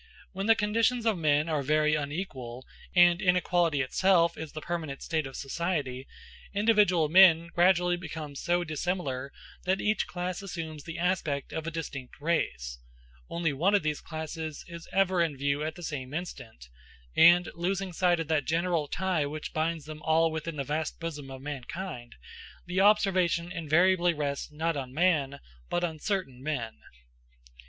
When the conditions of men are very unequal, and inequality itself is the permanent state of society, individual men gradually become so dissimilar that each class assumes the aspect of a distinct race: only one of these classes is ever in view at the same instant; and losing sight of that general tie which binds them all within the vast bosom of mankind, the observation invariably rests not on man, but on certain men.